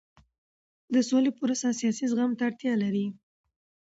د سولې پروسه سیاسي زغم ته اړتیا لري